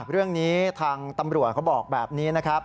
เรื่องนี้ทางตำรวจเขาบอกแบบนี้นะครับ